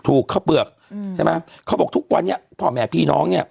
ข้าวเปลือกอืมใช่ไหมเขาบอกทุกวันนี้พ่อแม่พี่น้องเนี้ย